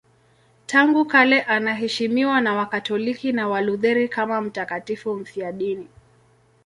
Tangu kale anaheshimiwa na Wakatoliki na Walutheri kama mtakatifu mfiadini.